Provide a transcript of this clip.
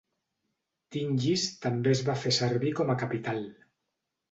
Tingis també es va fer servir com a capital.